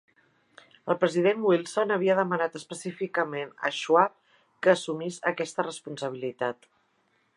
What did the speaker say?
El president Wilson havia demanat específicament a Schwab que assumís aquesta responsabilitat.